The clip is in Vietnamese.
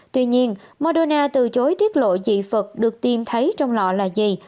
tuy nhiên moderna từ chối tiết lộ dị vật được tìm thấy trong lọ là gì